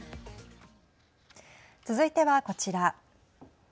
続いては、こちら。